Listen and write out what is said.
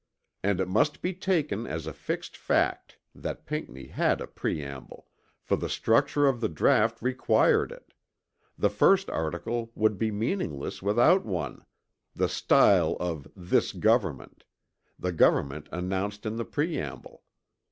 And it must be taken as a fixed fact that Pinckney had a preamble, for the structure of the draught required it; the first article would be meaningless without one, "The stile of this government" the government announced in the preamble.